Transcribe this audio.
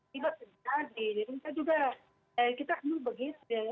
tidak terjadi kita juga kita juga begitu